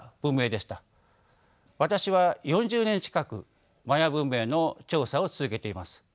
私は４０年近くマヤ文明の調査を続けています。